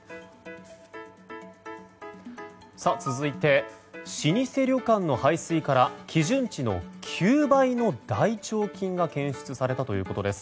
続いて老舗旅館の排水から基準値の９倍の大腸菌が検出されたということです。